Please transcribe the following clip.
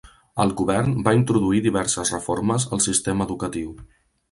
El govern va introduir diverses reformes al sistema educatiu.